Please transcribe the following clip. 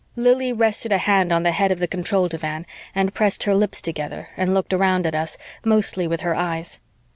Lili rested a hand on the head of the control divan and pressed her lips together and looked around at us, mostly with her eyes.